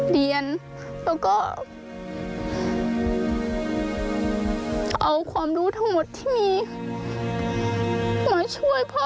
เราก็อยากที่จะ